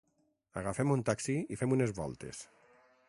Agafem un taxi i fem unes voltes!